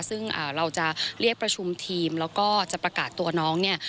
ซึ่งเราจะเรียกประชุมทีมแล้วก็จะประกาศตัวน้องเนี่ย